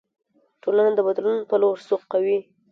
ټولنه د بدلون په لور سوق شوه.